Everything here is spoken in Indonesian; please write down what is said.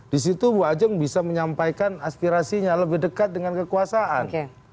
di situ bu ajeng bisa menyampaikan aspirasinya lebih dekat dengan kekuasaan